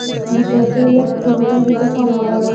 د کړکۍ لږ ښورېدل د ده پام واړاوه.